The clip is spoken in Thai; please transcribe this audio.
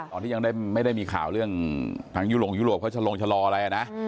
ตอนที่ยังไม่ได้มีข่าวเรื่องทางยุโรปยุโรปเขาชะลงชะลออะไรนะ